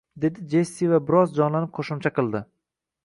dedi Jessi va biroz jonlanib qo`shimcha qildi